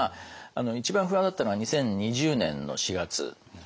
一番不安だったのが２０２０年の４月ですね。